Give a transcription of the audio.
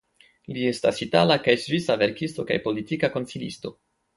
Li estas itala kaj svisa verkisto kaj politika konsilisto.